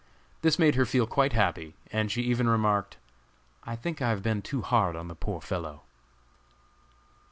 This made her feel quite happy, and she even remarked: "I think I have been too hard on the poor fellow."